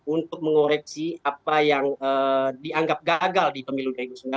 untuk mengoreksi apa yang dianggap gagal di pemilu dua ribu sembilan belas